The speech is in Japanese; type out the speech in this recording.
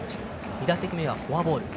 ２打席目はフォアボール。